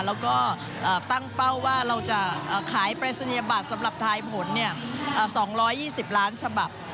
แล้วก็ตั้งเป้าว่าเราจะขายปรายศนียบัตรสำหรับทายผล๒๒๐ล้านฉบับ